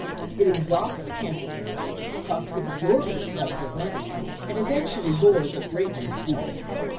It exhausts the candidates, costs exorbitant sums of money, and eventually bores a great many people.